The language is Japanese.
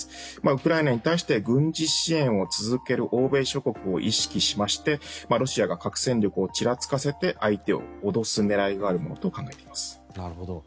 ウクライナに対して軍事支援を続ける欧米諸国を意識しましてロシアが核戦力をちらつかせて相手を脅す狙いがあるものと考えています。